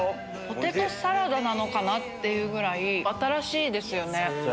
ポテトサラダなのかな？っていうぐらい新しいですよね。